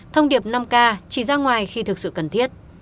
thông điệp năm k chỉ ra ngoài khi thực sự cần thiết